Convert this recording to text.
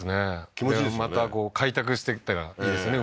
気持ちいいでしょうねまた開拓していったらいいですよね